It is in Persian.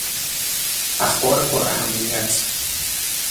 اخبار پر اهمیت